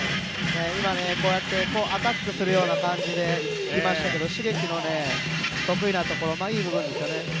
今、アタックするような感じできましたけど、Ｓｈｉｇｅｋｉｘの得意なところ、いい部分ですよね。